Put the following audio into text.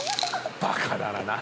バカだな。